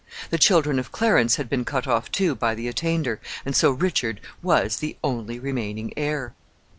The children of Clarence had been cut off, too, by the attainder, and so Richard was the only remaining heir.